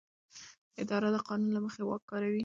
اداره د قانون له مخې واک کاروي.